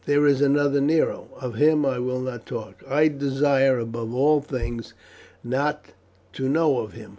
There is another Nero; of him I will not talk. I desire, above all things, not to know of him.